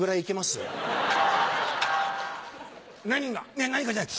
「いや何がじゃない」。